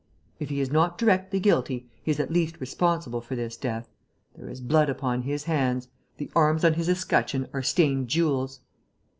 If he is not directly guilty, he is at least responsible for this death. There is blood upon his hands; the arms on his escutcheon are stained gules...."